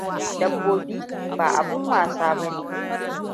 Dabbobi ba abin wasa ba ne!